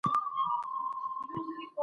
فساد ټولنه له دننه خوري.